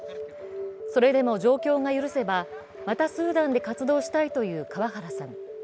それでも状況が許せばまたスーダンで活動したいという川原さん。